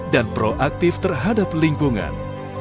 dan proaktif terhadap lingkungan